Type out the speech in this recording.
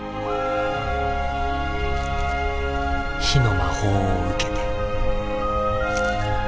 火の魔法を受けて。